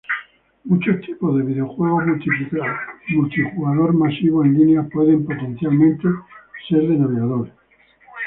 Muchos tipos de videojuegos multijugador masivos en línea pueden potencialmente ser de navegador.